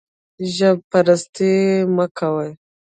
ژب پرستي مه کوئ